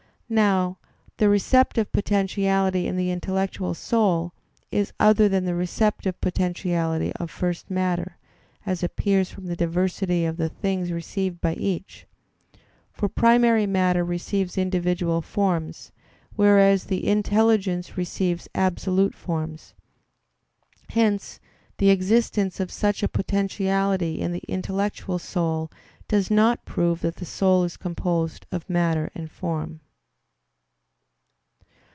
Now the receptive potentiality in the intellectual soul is other than the receptive potentiality of first matter, as appears from the diversity of the things received by each. For primary matter receives individual forms; whereas the intelligence receives absolute forms. Hence the existence of such a potentiality in the intellectual soul does not prove that the soul is composed of matter and form.